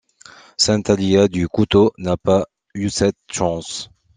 Sainte Alia du couteau n’a pas eu cette chance.